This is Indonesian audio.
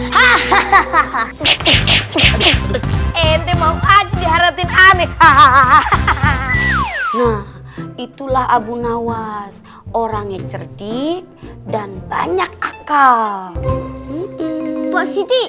hahaha ente mau aja harapin aneh hahaha itulah abu nawas orangnya cerdik dan banyak akal posisi